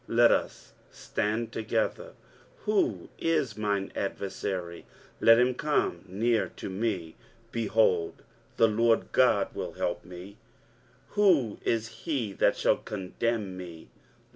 let us stand together: who is mine adversary? let him come near to me. 23:050:009 Behold, the Lord GOD will help me; who is he that shall condemn me?